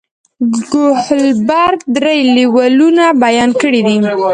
کوهلبرګ درې لیولونه بیان کړي دي.